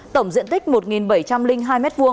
tổng diện tích một bảy trăm linh hai m hai